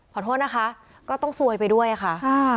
ขอโทษนะคะก็ต้องซวยไปด้วยค่ะ